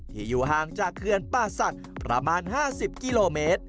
ที่อยู่ห่างจากเคือนป่าศักดิ์ประมาณห้าสิบกิโลเมตร